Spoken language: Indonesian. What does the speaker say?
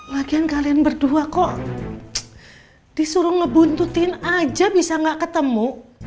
lagian kalian berdua kok disuruh ngebuntutin aja bisa nggak ketemu